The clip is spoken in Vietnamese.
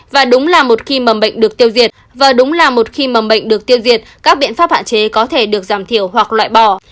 và đúng là một khi mầm bệnh được tiêu diệt các biện pháp hạn chế có thể được giảm thiểu hoặc loại bỏ